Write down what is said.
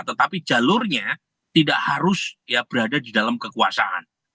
tetapi jalurnya tidak harus berada di dalam kekuasaan